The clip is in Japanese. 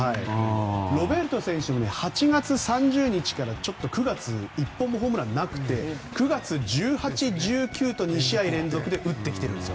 ロベルト選手８月３０日から９月１本もホームランがなくて９月は１８、１９と２試合連続で打ってきているんです。